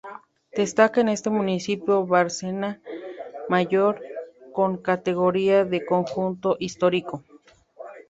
Destaca en este municipio Bárcena Mayor, con categoría de conjunto histórico.